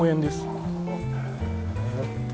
ああへえ。